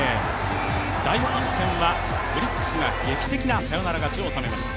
第１戦はオリックスが劇的なサヨナラ勝ちをおさめました。